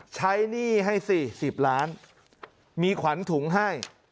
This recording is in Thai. หนี้ให้สิ๑๐ล้านมีขวัญถุงให้